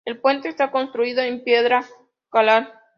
El puente está construido en piedra calar.